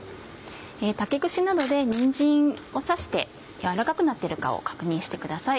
竹串などでにんじんを刺して軟らかくなってるかを確認してください。